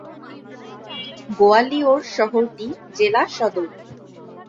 গোয়ালিয়র শহরটি জেলা সদর।